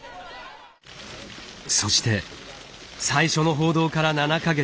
そして最初の報道から７か月。